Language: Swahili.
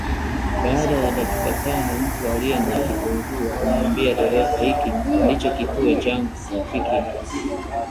Baada ya dakika tano, mtu aliye na kitunguu alimwambia dereva: 'Hiki ndicho kituo changu, rafiki